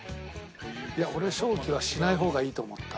いや俺勝機はしない方がいいと思った。